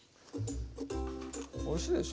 おいしいでしょ。